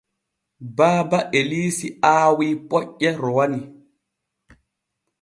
Baaba Eliisi aawi poƴƴe rowani.